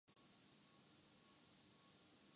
وہ تاریخ میں زندہ رہنا چاہتے ہیں یا اپنے عہد میں؟